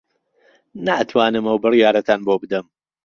ناتوانم ئەو بڕیارەتان بۆ بدەم.